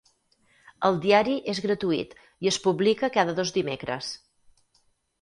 El diari és gratuït i es publica cada dos dimecres.